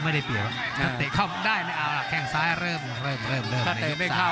โหโหโหโหโหโหโหโหโห